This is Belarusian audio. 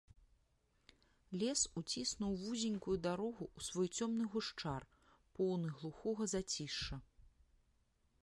Лес уціснуў вузенькую дарогу ў свой цёмны гушчар, поўны глухога зацішша.